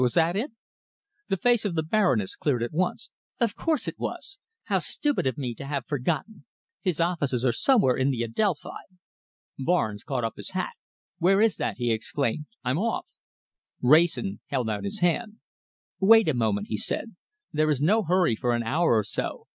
"Was that it?" The face of the Baroness cleared at once. "Of course it was! How stupid of me to have forgotten. His offices are somewhere in the Adelphi." Barnes caught up his hat. "Where is that?" he exclaimed. "I'm off." Wrayson held out his hand. "Wait a moment," he said. "There is no hurry for an hour or so.